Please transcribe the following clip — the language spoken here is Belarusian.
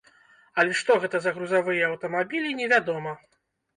Але што гэта за грузавыя аўтамабілі невядома.